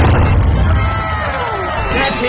แม่ผีบ้านแย่